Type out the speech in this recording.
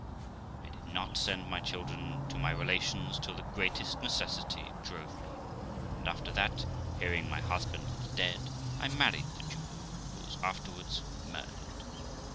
I did not send my children to my relations till the greatest necessity drove me, and after that, hearing my husband was dead, I married the jeweller, who was afterwards murdered.